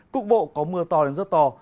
cục bộ có mưa to đến giấc to